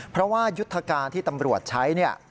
เพราะว่ายุทธการที่ตำรวจใช้เนี่ย